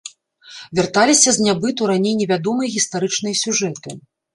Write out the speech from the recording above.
Вярталіся з нябыту раней не вядомыя гістарычныя сюжэты.